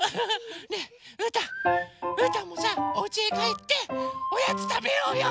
ねえうーたんうーたんもさおうちへかえっておやつたべようよ！